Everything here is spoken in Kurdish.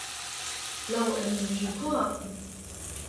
Law me em ji ku hatin?